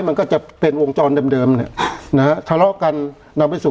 มันก็จะเป็นวงจรเดิมเดิมเนี่ยนะฮะทะเลาะกันนำไปสู่